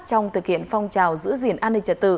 trong thực hiện phong trào giữ gìn an ninh trật tự